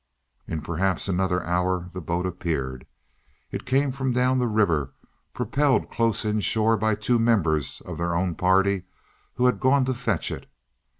In perhaps another hour the boat appeared. It came from down the river, propelled close inshore by two members of their own party who had gone to fetch it.